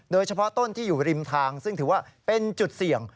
โดยเฉพาะต้นที่อยู่ริมทางซึ่งถือว่าเป็นจุดเสี่ยง